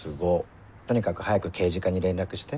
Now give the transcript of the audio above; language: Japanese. とにかく早く刑事課に連絡して。